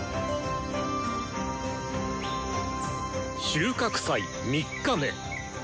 収穫祭３日目！